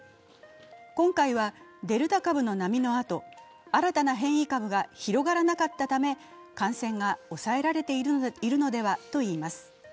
今回はデルタ株の波のあと、新たな変異株が広がらなかったため感染が抑えられているのではといいます。